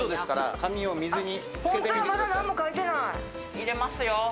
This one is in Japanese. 入れますよ。